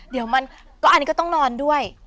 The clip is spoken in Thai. เดี๋ยวมันก็อันนี้ก็ต้องนอนด้วย